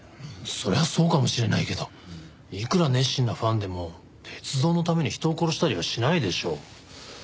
そりゃそうかもしれないけどいくら熱心なファンでも鉄道のために人を殺したりはしないでしょう。